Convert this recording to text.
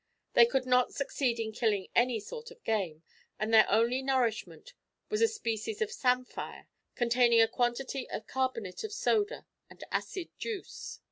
They could not succeed in killing any sort of game, and their only nourishment was a species of samphire, containing a quantity of carbonate of soda and acid juice.